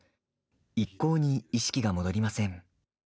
一向に意識が戻りません。